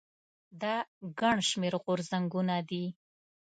دا ګڼ شمېر غورځنګونه دي.